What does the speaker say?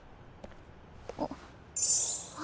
あっ。